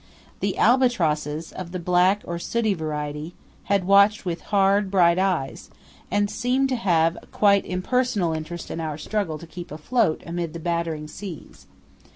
The albatrosses, of the black or sooty variety, had watched with hard, bright eyes, and seemed to have a quite impersonal interest in our struggle to keep afloat amid the battering seas.